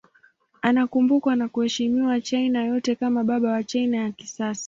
Anakumbukwa na kuheshimiwa China yote kama baba wa China ya kisasa.